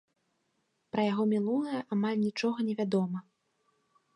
Пра яго мінулае амаль нічога невядома.